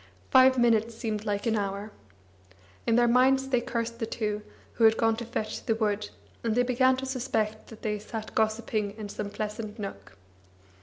Five minutes seemed like an hour. In their minds they cursed the two, who had gone to fetch the wood, and they began to suspect that they sat gossiping in some pleasant nook.